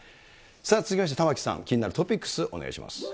さあ、続きまして、玉城さん、気になるトピックス、お願いします。